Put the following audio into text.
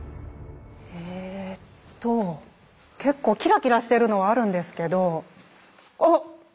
えっと結構キラキラしてるのはあるんですけどあ！